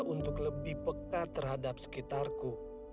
untuk lebih peka terhadap sekitarku